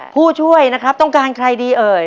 ผู้ช่วยนะครับต้องการใครดีเอ่ย